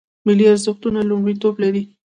ملي ارزښتونه لومړیتوب لري